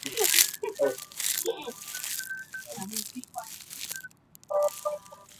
উহুদের যুদ্ধে অংশ গ্রহণের মর্যাদাও তিনি অর্জন করতে পারেননি।